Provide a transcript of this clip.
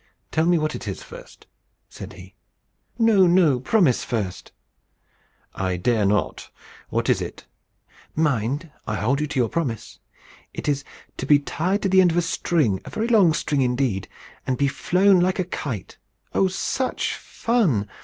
"Tell me what it is first," said he. "No no. Promise first." "I dare not. What is it?" "Mind, I hold you to your promise. It is to be tied to the end of a string a very long string indeed, and be flown like a kite. Oh, such fun!